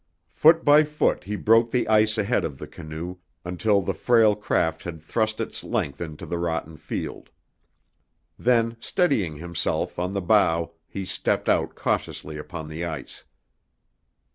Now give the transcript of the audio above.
Foot by foot he broke the ice ahead of the canoe, until the frail craft had thrust its length into the rotten field. Then, steadying himself on the bow, he stepped out cautiously upon the ice.